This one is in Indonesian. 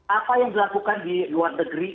apa yang dilakukan di luar negeri